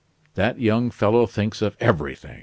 "That young fellow thinks of everything!"